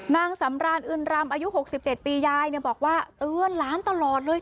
นางสำรานอื่นรำอายุหกสิบเจ็ดปียายเนี้ยบอกว่าเตือนล้านตลอดเลย